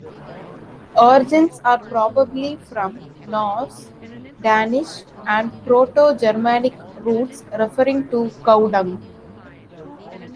Origins are probably from Norse, Danish, and Proto-Germanic roots referring to cow dung.